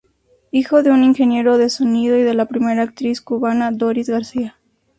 Hijo de un ingeniero de sonido y de la primera actriz cubana Doris García.